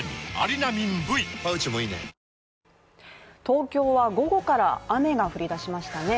東京は午後から、雨が降り出しましたね。